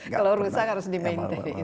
kalau rusak harus di maintain